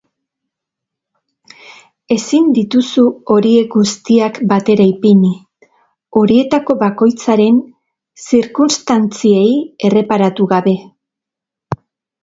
Ezin dituzu horiek guztiak batera ipini, horietako bakoitzaren zirkunstantziei erreparatu gabe.